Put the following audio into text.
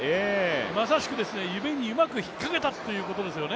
まさしく指にうまく引っ掛けたということですよね。